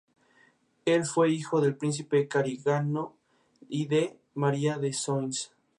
Él fue hijo del Príncipe de Carignano y de Maria de Soissons.